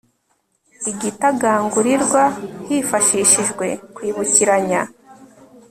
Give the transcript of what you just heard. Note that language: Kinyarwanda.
igitagangurirwa hifashishijwe kwibukiranya